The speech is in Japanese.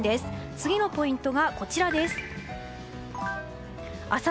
次のポイントがこちらです。